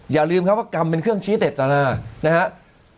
อย่าลืมครับว่ากรรมเป็นเครื่องชี้เจตนานะครับ